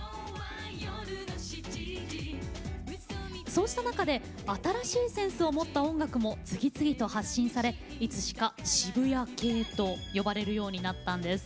そうした中で新しいセンスを持った音楽も次々と発信されいつしか渋谷系と呼ばれるようになったんです。